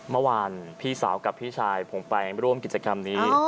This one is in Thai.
เมื่อวานพี่สาวกับพี่ชายผมไปร่วมกิจกรรมนี้